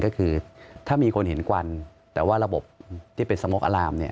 ก็คือถ้ามีคนเห็นควันแต่ว่าระบบที่เป็นสมกอารามเนี่ย